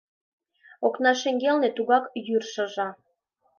Окна шеҥгелне тугак йӱр шыжа.